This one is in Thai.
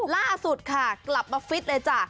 ล่าสุดค่ะกลับมาฟิตเลยจ้ะ